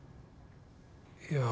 いや